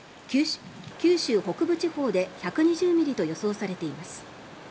九州北部地方で１２０ミリと予想されています。